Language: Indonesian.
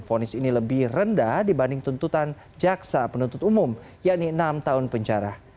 fonis ini lebih rendah dibanding tuntutan jaksa penuntut umum yakni enam tahun penjara